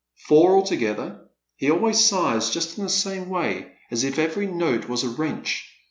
" Four altogether. He always sighs just in the same way, as if every note was a wrench.